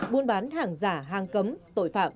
buôn bán hàng giả hàng cấm tội phạm